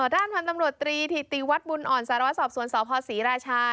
ด้านพันธ์ตำรวจตรีถิติวัฒน์บุญอ่อนสารวสอบสวนสพศรีราชา